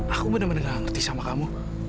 aku bener bener gak ngerti sama kamu